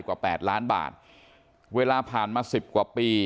กว่า๘ล้านบาทเวลาผ่านมา๑๐กว่าปี